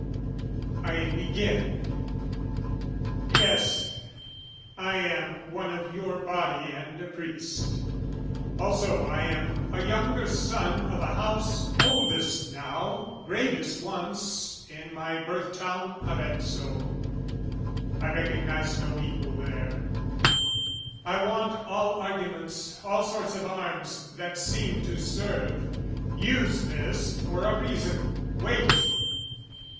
I begin. Yes, I am one of your body and a priest. Also I am a younger son o' the House Oldest now, greatest once, in my birth town Arezzo, I recognise no equal there (I want all arguments, all sorts of arms That seem to serve, use this for a reason, wait!)